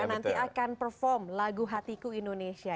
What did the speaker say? yang nanti akan perform lagu hatiku indonesia